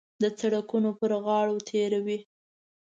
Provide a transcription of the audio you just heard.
د سړکونو پر غاړو تېروي.